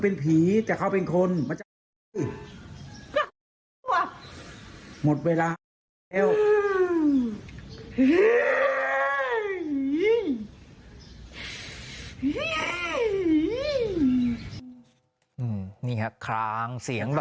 นี่ค่ะคลางเสียง